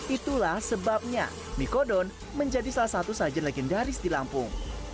itulah sebabnya mikodon menjadi salah satu sajar legendaris di lampung